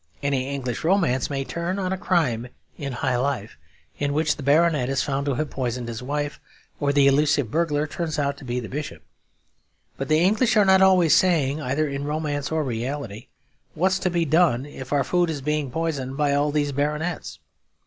Any English romance may turn on a crime in high life; in which the baronet is found to have poisoned his wife, or the elusive burglar turns out to be the bishop. But the English are not always saying, either in romance or reality, 'What's to be done, if our food is being poisoned by all these baronets?'